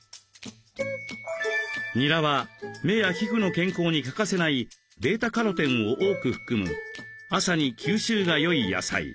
にらは目や皮膚の健康に欠かせないβカロテンを多く含む朝に吸収がよい野菜。